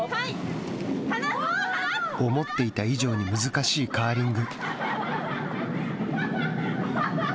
思っていた以上に難しいカーリング。